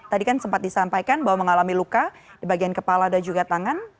tadi kan sempat disampaikan bahwa mengalami luka di bagian kepala dan juga tangan